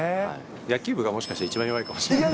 野球部が、もしかして一番弱いかもしれない。